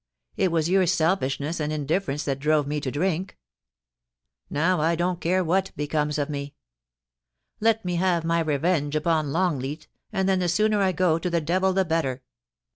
It was your selfishness and indifference that drove me to drink. ... Now I don't care what becomes of me: Let me have my revenge upon Longleat, and then the sooner I go to the devil the better.'